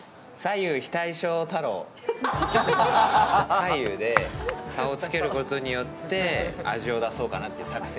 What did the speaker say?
左右で差をつけることによって味を出そうかなという作戦。